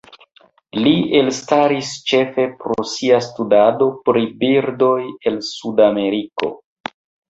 Li elstaris ĉefe pro sia studado pri birdoj el Sudameriko.